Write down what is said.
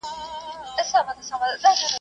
د تاریخي کرنې وسایل لرګین وو.